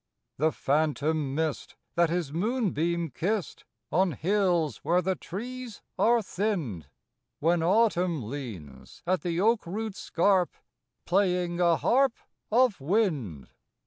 II. The phantom mist, that is moonbeam kissed, On hills where the trees are thinned, When Autumn leans at the oak root's scarp, Playing a harp Of wind.